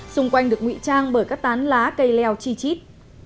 xung quanh được ngụy trang bởi các tán lá cây leo chi chít